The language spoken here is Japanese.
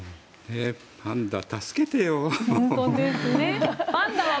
パンダ助けてよ。